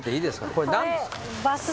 これ何ですか？